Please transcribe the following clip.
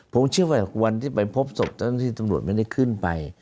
ผมเชื่อว่าวันที่ไปพบศพเจ้าหน้าที่ตำรวจไม่ได้ขึ้นไป